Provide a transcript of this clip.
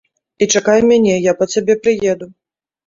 І чакай мяне, я па цябе прыеду.